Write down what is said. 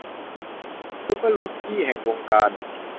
ซูเปอร์รุกกี้แห่งวงการ